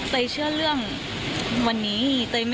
เชื่อเรื่องวันนี้